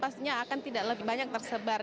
pastinya akan tidak lebih banyak tersebar